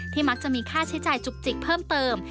มักจะมีค่าใช้จ่ายจุกจิกเพิ่มเติม